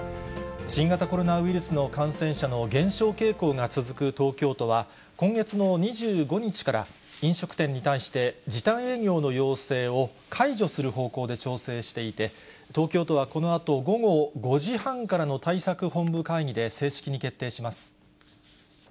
新型コロナウイルスの感染者の減少傾向が続く東京都は、今月の２５日から、飲食店に対して、時短営業の要請を解除する方向で調整していて、東京とはこのあと午後５時半からの対策本部会議で正式に決定します。